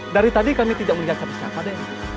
dari tadi kami tidak melihat siapa siapa den